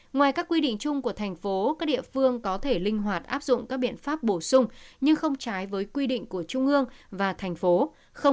ngoài các quy định chung của thành phố các địa phương có thể linh hoạt áp dụng các biện pháp bổ sung nhưng không trái với quy định của trung ương và thành phố